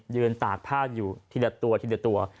ตากผ้าอยู่ทีละตัวทีละตัว